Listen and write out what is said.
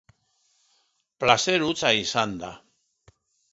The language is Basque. Plazer hutsa izan da.